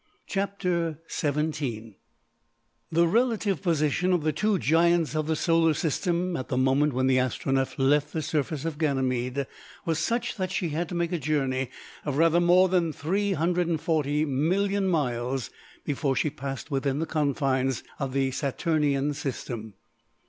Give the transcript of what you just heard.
CHAPTER XVII The relative position of the two giants of the Solar System at the moment when the Astronef left the surface of Ganymede, was such that she had to make a journey of rather more than 340,000,000 miles before she passed within the confines of the Saturnine System.